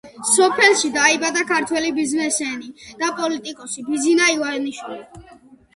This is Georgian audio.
სოფელში დაიბადა ქართველი ბიზნესმენი და პოლიტიკოსი ბიძინა ივანიშვილი.